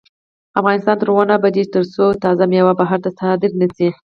افغانستان تر هغو نه ابادیږي، ترڅو تازه میوې بهر ته صادرې نشي.